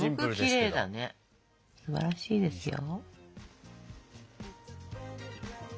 すばらしいですよ。